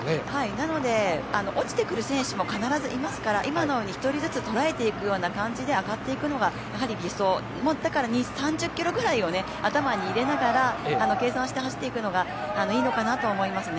なので落ちてくる選手も必ずいますから今のように１人ずつ捉えていくような感じで上がっていくのがやはり理想、だから３０キロぐらいを頭に入れながら計算して走っていくのがいいのかなとは思いますね。